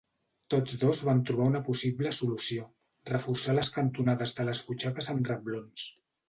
Tots dos van trobar una possible solució: reforçar les cantonades de les butxaques amb reblons.